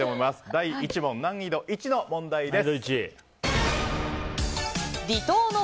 第１問、難易度１の問題です。